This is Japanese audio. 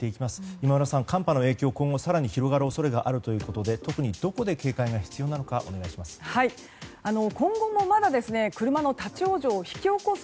今村さん、寒波の影響が今後更に広がる恐れがあるということで特にどこで警戒が必要になるかお願いします。